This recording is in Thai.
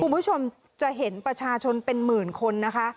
คุณผู้ชมจะเห็นประชาชนเป็นหมื่นคนนะคะ